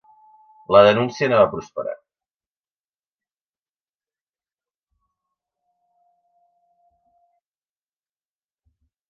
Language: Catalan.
La denúncia no va prosperar.